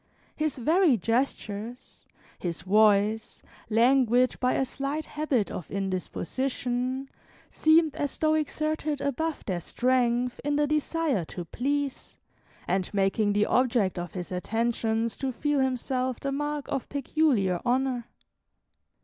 His very gestures, his voice, languid by a slight habit of indisposition, seemed as though exerted above their strength in the desire to please, and making the object of his attentions to feel himself the mark of peculiar honor.